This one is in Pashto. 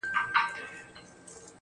هغه چي ماته يې په سرو وینو غزل ليکله.